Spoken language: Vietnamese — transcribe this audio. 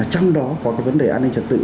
trong đó có cái vấn đề an ninh trật tự